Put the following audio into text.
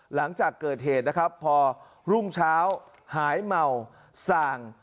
หลังจากเกิดเหตุนะครับพอรุ่งเช้าหายเมาส่าง